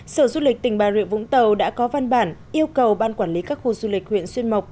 sở du lịch tỉnh bà rịa vũng tàu đã có văn bản yêu cầu ban quản lý các khu du lịch huyện xuyên mộc